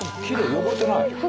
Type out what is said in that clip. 汚れてない。